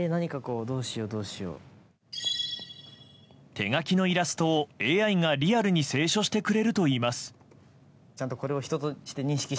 手描きのイラストをＡＩがリアルに清書してくれるといいます。